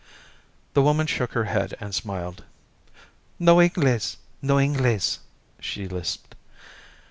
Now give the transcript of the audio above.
The woman shook her head and smiled. "No Inglese no Inglese," she lisped.